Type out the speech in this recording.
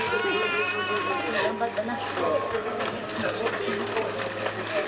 頑張ったな。